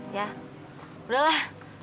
ya udah lah